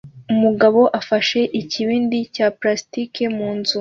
Umugabo afashe ikibindi cya plastiki mu nzu